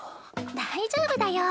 大丈夫だよ。